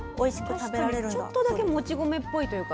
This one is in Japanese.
確かにちょっとだけもち米っぽいというか。